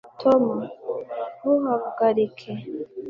tom, ntuhagarike